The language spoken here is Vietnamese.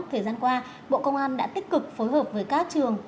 thời gian qua bộ công an đã tích cực phối hợp với các trường